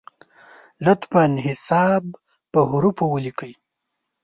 لطفا حساب په حروفو ولیکی!